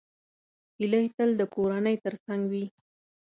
هیلۍ تل د کورنۍ تر څنګ وي